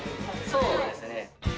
そうですね。